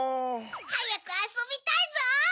はやくあそびたいゾウ！